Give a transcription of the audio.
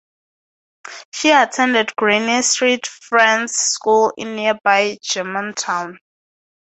She attended Greene Street Friends School in nearby Germantown.